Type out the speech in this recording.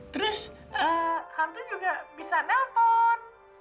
terus ehm hantu juga bisa telepon